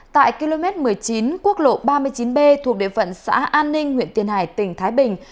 tại km một mươi chín quốc lộ ba mươi chín b thuộc địa phận xã an ninh huyện tiền hải tỉnh thái bình